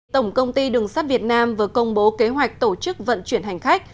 tổng công ty đường sắt việt nam vừa công bố kế hoạch tổ chức vận chuyển hành khách